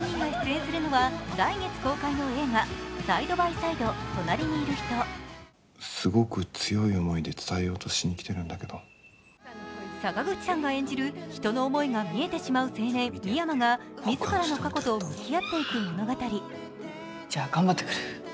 息ぴったりな３人が出演するの来月公開の映画、「サイドバイサイド隣にいる人」坂口さんが演じる人の思いが見えてしまう青年・未山が自らの過去と向き合っていく物語。